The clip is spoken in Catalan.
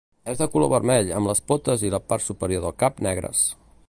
És de color vermell amb les potes i la part superior del cap negres.